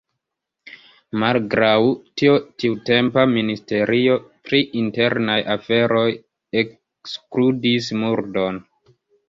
Malgraŭ tio tiutempa ministerio pri internaj aferoj ekskludis murdon.